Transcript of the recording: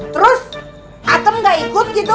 terus atem gak ikut gitu